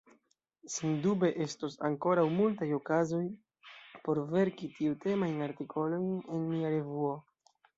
Sendube estos ankoraŭ multaj okazoj por verki tiutemajn artikolojn en nia revuo.